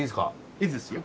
いいですよ。